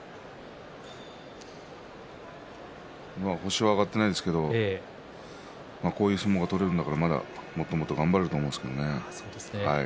星は挙がっていませんがこういう相撲が取れるんだからもっともっと頑張れると思うんですが。